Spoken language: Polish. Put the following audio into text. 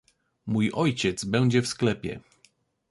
— Mój ojciec będzie w sklepie.